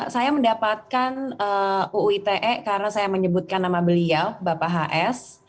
saya mendapatkan uu ite karena saya menyebutkan nama beliau bapak hs